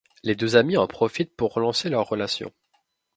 Les deux amis en profitent pour relancer leur relation.